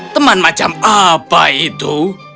teman macam apa itu